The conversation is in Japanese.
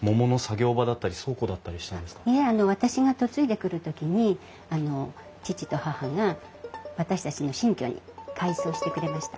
私が嫁いでくる時に義父と義母が私たちの新居に改装してくれました。